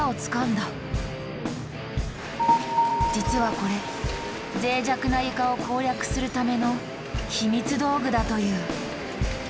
実はこれぜい弱な床を攻略するための秘密道具だという。